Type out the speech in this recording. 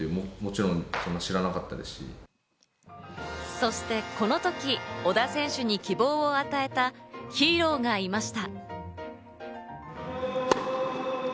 そしてこの時、小田選手に希望を与えたヒーローがいました。